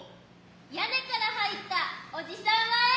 屋根から入つた小父さんはえ？